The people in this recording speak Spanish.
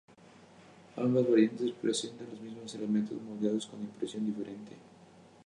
Ambas variantes presentaban los mismos elementos moldeados con impresión diferente.